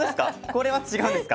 これは違うんですか。